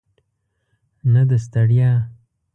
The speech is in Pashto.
نه د ستړیا.